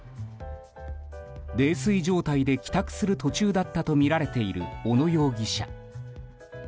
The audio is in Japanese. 泥酔状態で帰宅する途中だったとみられている小野容疑者。